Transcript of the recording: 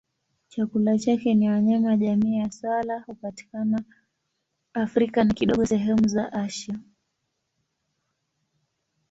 Chakula chake ni wanyama jamii ya swala hupatikana Afrika na kidogo sehemu za Asia.